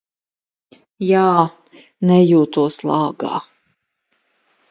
Jā, nejūtos lāgā.